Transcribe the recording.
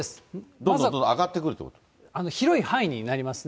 どんどん上がってくるってい広い範囲になりますね。